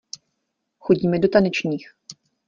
Chodíme do tanečních.